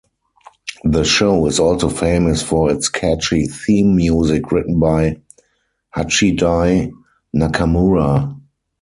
The show is also famous for its catchy theme music written by Hachidai Nakamura.